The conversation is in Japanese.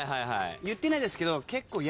言ってないですけど結構。